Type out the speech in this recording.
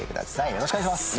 よろしくお願いします。